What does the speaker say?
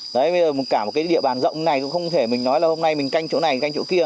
đấy bây giờ cả một cái địa bàn rộng này cũng không thể mình nói là hôm nay mình canh chỗ này canh chỗ kia